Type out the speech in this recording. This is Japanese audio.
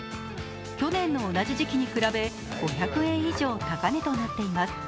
去年の同じ時期に比べ５００円以上高値となっています。